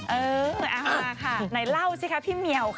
เออเอามาค่ะไหนเล่าสิคะพี่เหมียวค่ะ